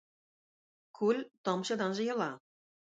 Күл тамчыдан җыела.